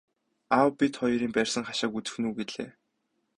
Аав бид хоёрын барьсан хашааг үзэх нь үү гэлээ.